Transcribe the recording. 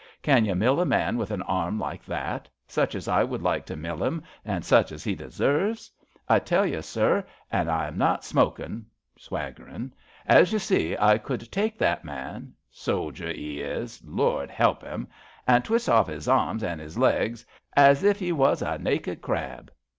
Can you mill a man with an arm like that — such as I would like to mill him, an' such as he deserves? I tell you, sir, an' I am not smokin' [swaggering], as you see — ^I could take that man — Sodger 'e is. Lord 'elp 'im! — ^an' twis' off 'is arms an' 'is legs as if 'e was a naked crab.